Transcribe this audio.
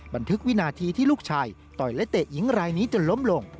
วินาทีที่ลูกชายต่อยและเตะหญิงรายนี้จนล้มลง